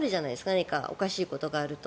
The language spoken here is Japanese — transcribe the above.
何かおかしいことがあると。